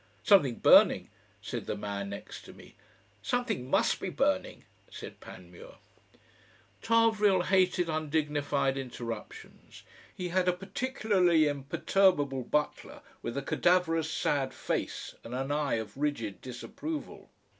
"Something burning," said the man next to me. "Something must be burning," said Panmure. Tarvrille hated undignified interruptions. He had a particularly imperturbable butler with a cadaverous sad face and an eye of rigid disapproval.